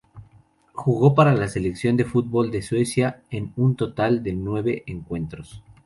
Jugó para la selección de fútbol de Suecia en un total de nueve encuentros.